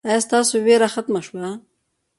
ایا ستاسو ویره ختمه شوه؟